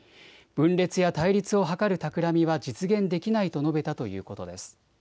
分裂や対立を図るたくらみは実現できないと述べたということです。